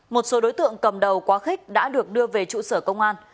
một số đối tượng cầm đầu quá khích đã được đưa về trụ sở công an